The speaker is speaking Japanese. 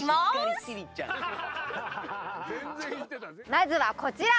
まずはこちら。